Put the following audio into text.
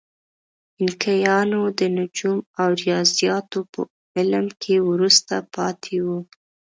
اینکایانو د نجوم او ریاضیاتو په علم کې وروسته پاتې وو.